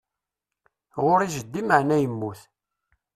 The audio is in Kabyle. Ɣur-i jeddi meɛna yemmut.